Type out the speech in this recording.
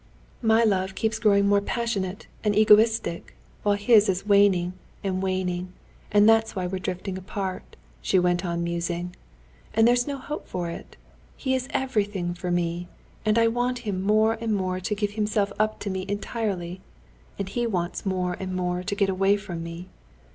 "My love keeps growing more passionate and egoistic, while his is waning and waning, and that's why we're drifting apart." She went on musing. "And there's no help for it. He is everything for me, and I want him more and more to give himself up to me entirely. And he wants more and more to get away from me.